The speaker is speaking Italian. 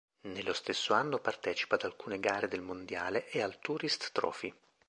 Nello stesso anno partecipa ad alcune gare del mondiale e al Tourist Trophy.